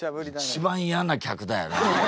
一番嫌な客だよね。